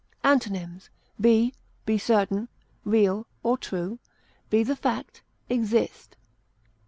Antonyms: be, be certain, real, or true, be the fact, exist.